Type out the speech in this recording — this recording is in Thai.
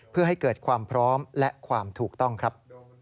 เพื่อให้เกิดความพร้อมและความถูกต้องครับ